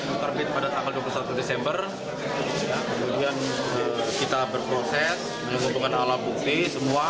terbit pada tanggal dua puluh satu desember kemudian kita berproses mengumpulkan alat bukti semua